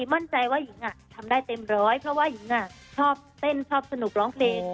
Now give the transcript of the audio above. มั่นใจว่าหญิงทำได้เต็มร้อยเพราะว่าหญิงชอบเต้นชอบสนุกร้องเพลง